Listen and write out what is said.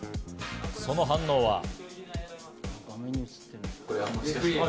その反応は。